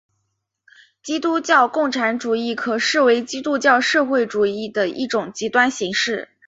基督教共产主义可视为基督教社会主义的一种极端形式。